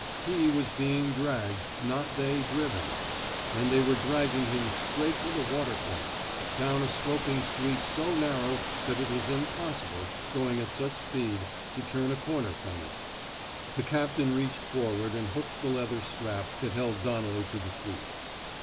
He was being dragged, not they driven; and they were dragging him straight for the water front, down a sloping street so narrow that it was impossible, going at such speed, to turn a comer from it. The captain reached forward and hooked the leather strap that held Donnelly to the seat.